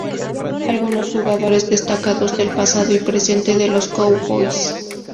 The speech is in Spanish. Algunos jugadores destacados del pasado y presente de los Cowboys.